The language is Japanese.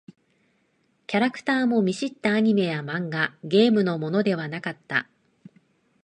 キャラクターも見知ったアニメや漫画、ゲームのものではなかった。